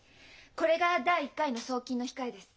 これが第１回の送金の控えです。